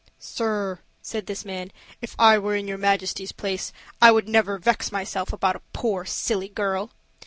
"Sir," said this man, "if I were in your majesty's place, I would never vex myself about a poor silly girl.